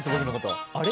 僕のこと。